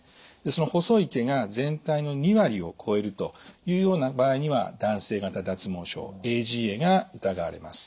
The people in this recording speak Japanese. その細い毛が全体の２割を超えるというような場合には男性型脱毛症ＡＧＡが疑われます。